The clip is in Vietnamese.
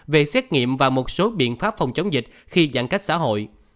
về xét nghiệm và một số biện pháp phòng chống dịch khi giãn cách xã hội